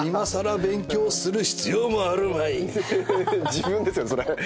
自分ですよそれ。